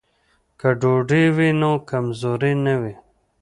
که ډوډۍ وي نو کمزوري نه وي.